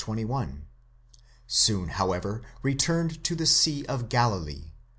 21) ; soon, however, returned to the sea of Galilee (v.